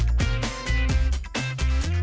เอาล่ะเดินทางมาถึงในช่วงไฮไลท์ของตลอดกินในวันนี้แล้วนะครับ